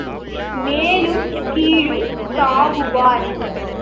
மேலும் கீழும் தாவுவார்.